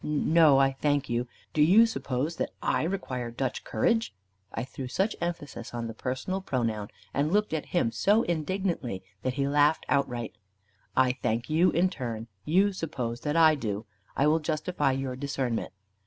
"No, I thank you. Do you suppose that I require Dutch courage?" I threw such emphasis on the personal pronoun, and looked at him so indignantly, that he laughed outright. "I thank you in turn. You suppose that I do. I will justify your discernment."